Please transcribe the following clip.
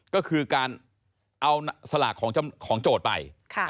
ก็คือการเอาสลากของโจทย์ไป